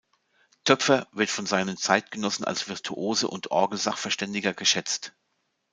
Töpfer wird von seinen Zeitgenossen als Virtuose und Orgelsachverständiger geschätzt.